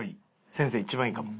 先生一番いいかも。